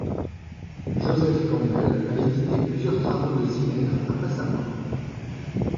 Joseph Campbell a édité plusieurs travaux de Zimmer après sa mort.